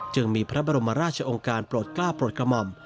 จึงมีพระบรมราชองค์การโปรดกล้าโปรดกระหม่อม